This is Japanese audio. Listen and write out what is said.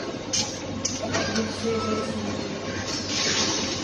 ヒノキ製で新品。